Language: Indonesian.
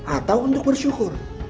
atau untuk bersyukur